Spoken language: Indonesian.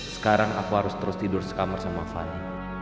sekarang aku harus terus tidur sekamar sama fani